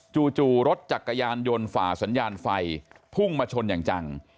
จู่รถจักรยานยนต์ฝ่าสัญญาณไฟพุ่งมาชนอย่างจัง